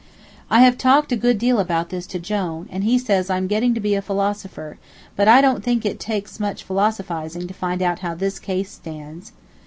I have talked a good deal about this to Jone, and he says I'm getting to be a philosopher; but I don't think it takes much philosophizing to find out how this case stands.